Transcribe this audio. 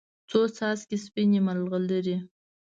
څو څاڅکي سپینې، مرغلرې